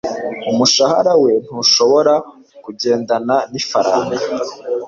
Umushahara we ntushobora kugendana nifaranga.